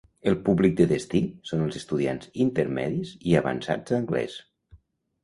El públic de destí són els estudiants intermedis i avançats d'anglès.